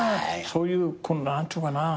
そういう何て言うかな。